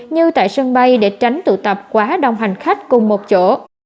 như tại sân bay để tránh tụ tập quá đông hành khách cùng một chỗ